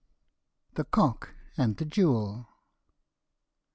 THE COCK AND THE JEWEL.